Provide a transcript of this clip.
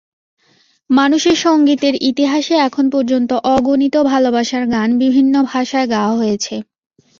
মানুষের সংগীতের ইতিহাসে এখন পর্যন্ত অগণিত ভালোবাসার গান বিভিন্ন ভাষায় গাওয়া হয়েছে।